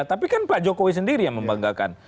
tapi kan pak jokowi sendiri yang membanggakan